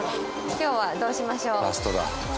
今日はどうしましょう？